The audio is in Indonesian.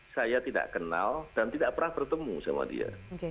saya tidak kenal dan tidak pernah bertemu sama dia